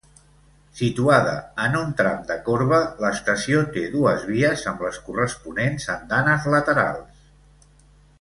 Situada en un tram de corba, l'estació té dues vies amb les corresponents andanes laterals.